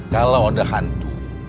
kalau ada hantu